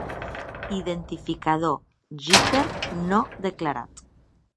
identificador "jitter" no declarat